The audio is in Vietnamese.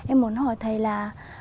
em muốn hỏi thầy là